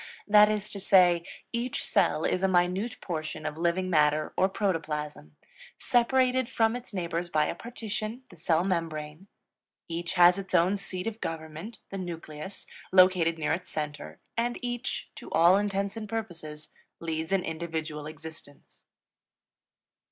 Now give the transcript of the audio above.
That is to say, each cell is a minute portion of living matter, or protoplasm, separated from its neighbors by a partition, the cell membrane; each has its own seat of government, the nucleus, located near its center; and each, to all intents and purposes, leads an individual existence.